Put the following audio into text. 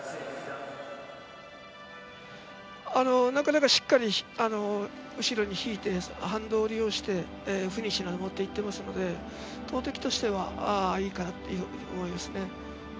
なかなかしっかり後ろに引いて反動を利用してフィニッシュまで持っていっているので投てきとしてはいいかなと思いますね。